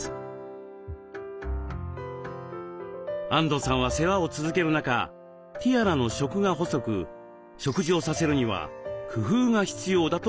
安藤さんは世話を続ける中ティアラの食が細く食事をさせるには工夫が必要だと気付きました。